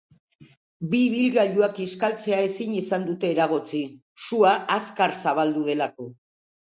Bi ibilgailuak kiskaltzea ezin izan dute eragotzi, sua azkar zabaldu delako.